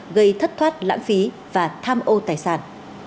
gây thất thoát lãng phí và tham ô tài sản